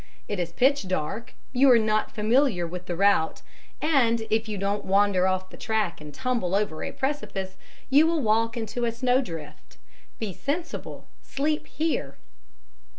It is pitch dark, you are not familiar with the route, and if you don't wander off the track and tumble over a precipice, you will walk into a snowdrift. Be sensible sleep here!'